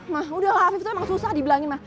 ma udahlah afif tuh emang susah dibilangin ma